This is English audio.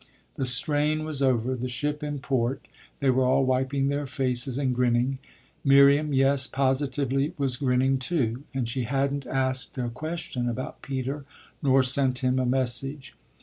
The strain was over, the ship in port they were all wiping their faces and grinning. Miriam yes, positively was grinning too, and she hadn't asked a question about Peter nor sent him a message.